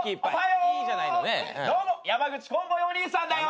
どうも山口コンボイお兄さんだよ！